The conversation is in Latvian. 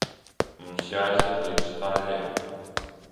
Mums jāaiziet līdz staļļiem.